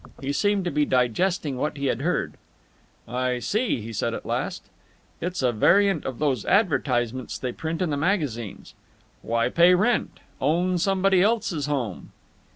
He seemed to be digesting what he had heard. "I see," he said at last. "It's a variant of those advertisements they print in the magazines. 'Why pay rent? Own somebody else's home!'"